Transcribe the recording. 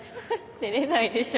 出れないでしょ。